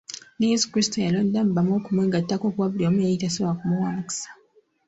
Ne Yesu Kristo yalondamu bamu okumwegattako kuba buli omu yali tasobola kumuwa mukisa.